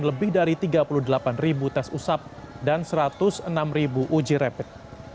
lebih dari tiga puluh delapan tes usap dan satu ratus enam uji rapid